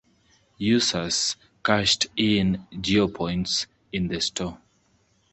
Users cashed in GeoPoints in the store.